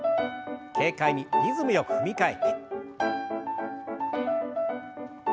軽快にリズムよく踏み替えて。